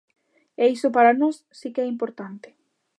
E iso para nós si que é importante.